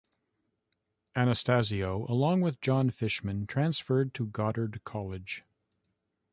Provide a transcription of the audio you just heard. Anastasio, along with Jon Fishman, transferred to Goddard College.